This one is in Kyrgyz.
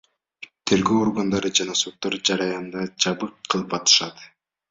Тергөө органдары жана соттор жараянды жабык кылып атышат.